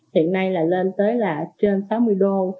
hiện nay là lên tới là trên sáu mươi đô